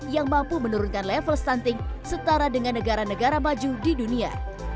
yang mampu menurunkan level stunting setara dengan negara negara maju di dunia